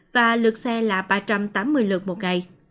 và lượt xe là ba trăm tám mươi lượt một ngày